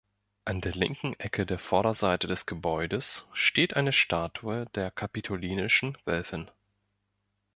An der linken Ecke der Vorderseite des Gebäudes steht eine Statue der Kapitolinischen Wölfin.